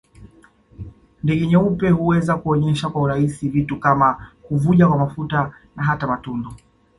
Ndege nyeupe huweza kuonesha kwa urahisi vitu kama kuvuja kwa mafuta na hata matundu